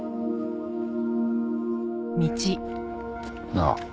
なあ。